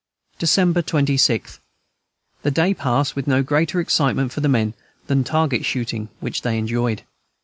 December 26. The day passed with no greater excitement for the men than target shooting, which they enjoyed.